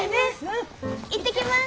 行ってきます！